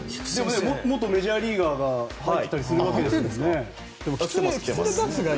元メジャーリーガーが入ってたりするわけですもんね。